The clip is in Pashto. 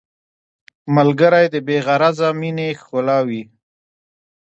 ملګری د بې غرضه مینې ښکلا وي